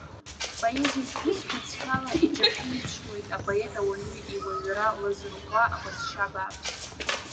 Поезиатә бызшәа цқьала иҿаԥиҽуеит апоет ауаҩы иуаҩра лазырҟәуа аҟазшьа бааԥс.